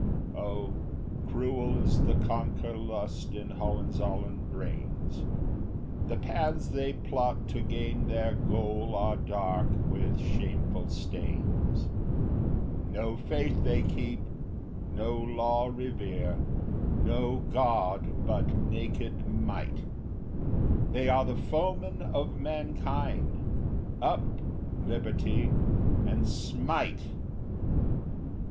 O cruel is the conquer lust in Hohenzollern brains; The paths they plot to gain their goal are dark with shameful stains: No faith they keep, no law revere, no god but naked Might; They are the foemen of mankind. Up, Liberty; and smite!